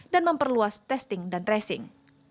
dan memperluas testing dan tracing